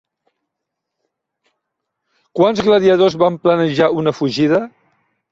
Quants gladiadors van planejar una fugida?